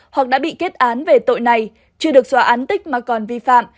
hoặc đã bị kết án về tội này chưa được xóa án tích mà còn vi phạm